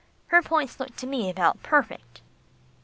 Her points look to me about perfect."